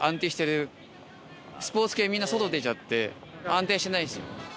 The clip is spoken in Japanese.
スポーツ系はみんな外出ちゃって安定してないんですよ。